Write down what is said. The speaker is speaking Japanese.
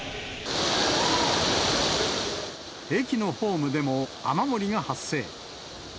駅のホームでも雨漏りが発生。